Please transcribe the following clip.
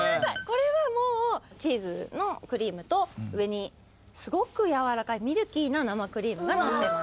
これはもうチーズのクリームと上にスゴくやわらかいミルキーな生クリームが乗ってます